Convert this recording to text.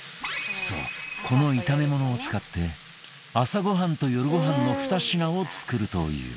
そうこの炒め物を使って朝ごはんと夜ごはんの２品を作るという